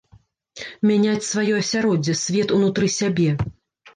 Мяняць сваё асяроддзе, свет унутры сябе.